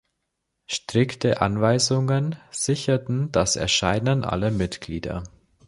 Strikte Anweisungen sicherten das Erscheinen aller Mitglieder.